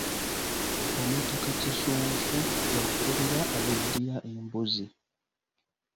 Omutaka Kisunsu y’akulira abeddira Embuzi.